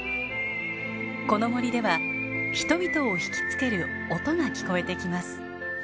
この森では人々を引き付ける音が聞こえてきます。